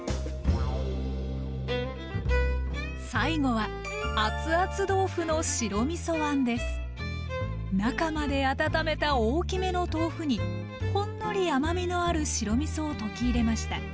最後は中まで温めた大きめの豆腐にほんのり甘みのある白みそを溶き入れました。